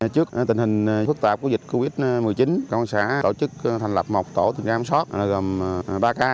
trước tình hình phức tạp của dịch covid một mươi chín công an xã tổ chức thành lập một tổ tình trạng kiểm soát gồm ba ca